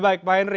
baik pak henry